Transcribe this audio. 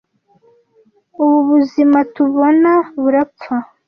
ubu buzima tubona burapfa